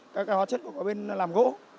các hóa chất ở bên làm gỗ